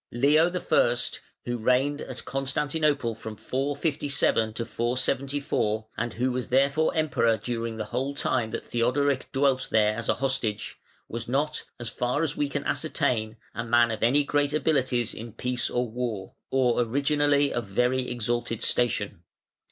Leo I., who reigned at Constantinople from 457 to 474, and who was therefore Emperor during the whole time that Theodoric dwelt there as hostage, was not, as far as we can ascertain, a man of any great abilities in peace or war, or originally of very exalted station.